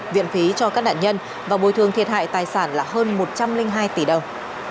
viện phí cho các nạn nhân và bồi thường thiệt hại tài sản là hơn một trăm linh hai tỷ đồng